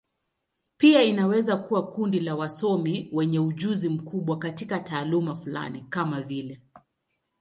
Pia inaweza kuwa kundi la wasomi wenye ujuzi mkubwa katika taaluma fulani, kama vile.